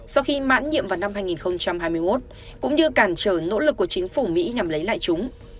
sau khi mãn nhiệm vào năm hai nghìn hai mươi một cũng như cản trở nỗ lực của chính phủ mỹ nhằm lấy lại chúng